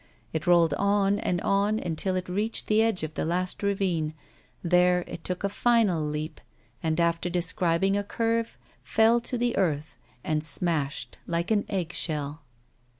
It rolled on and on until it reached the edge of the last ravine ; there it took a final leap, and after describing a curve, fell to the earth, and smashed like an egg shell.